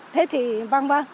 thế thì vân vân